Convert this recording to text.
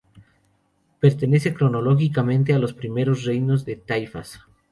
Pertenece cronológicamente a los primeros reinos de taifas.